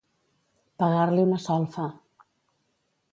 Pegar-li una solfa.